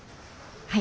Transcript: はい。